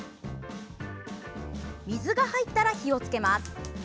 水が入ったら、火をつけます。